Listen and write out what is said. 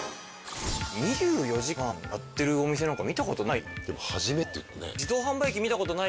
２４時間やってるお店なんか見たことない。